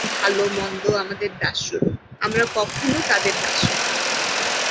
ভাল-মন্দ আমাদের দাসস্বরূপ, আমরা কখনও তাদের দাস নই।